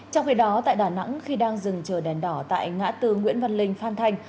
trong khi đó tại đà nẵng khi đang dừng chờ đèn đỏ tại ngã tư nguyễn văn linh phan thanh